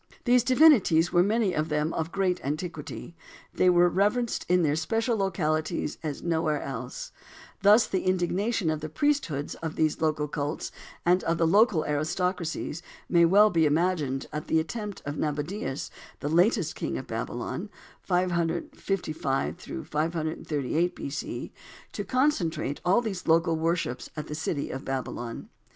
These divinities were many of them of great antiquity. They were reverenced in their special localities as nowhere else. Thus the indignation of the priesthoods of these local cults, and of the local aristocracies, may well be imagined at the attempt of Nabonidus, the latest king of Babylon, 555 538 B. C., to concentrate all these local worships at the city of Babylon.